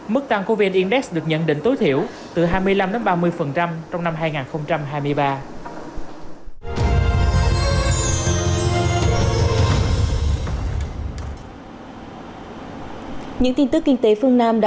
mức tăng của vn index được nhận định tối thiểu từ hai mươi năm ba mươi trong năm hai nghìn hai mươi ba